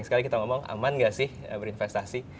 sekali kita ngomong aman gak sih berinvestasi